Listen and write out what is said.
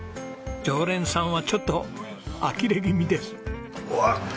常連さんはちょっとあきれ気味です。